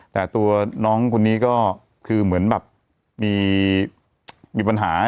แต่ตัวน้องคนนี้ก็คือเหมือนแบบมีปัญหา